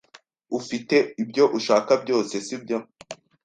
Ufite ibyo ushaka byose, sibyo?